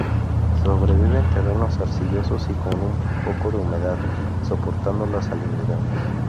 Sobrevive en terrenos arcillosos y con un poco de humedad, soportando la salinidad.